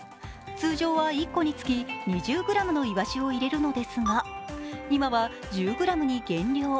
通常は１個につき２０ｇのいわしを入れるのですが、今は１０ｇに減量。